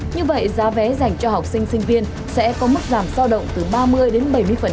như vậy giá vé dành cho học sinh sinh viên sẽ có mức giảm giao động từ ba mươi đến bảy mươi